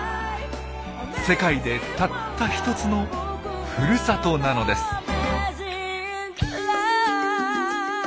世界でたった一つのふるさとなのです。